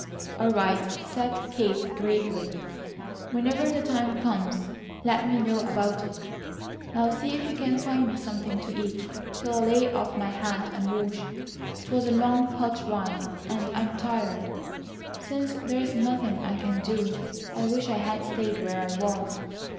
"All right," said Kate, gravely, "whenever the time comes, let me know about it. Now see if you can find me something to eat till I lay off my hat and wash. It was a long, hot ride, and I'm tired. Since there's nothing I can do, I wish I had stayed where I was.